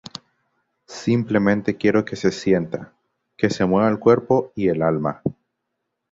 Simplemente quiero que se sienta, que se mueva el cuerpo y el alma.